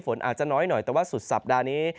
ฝนอาจจะน้อยหน่อยแต่ว่าสุดสัปดาห์นี้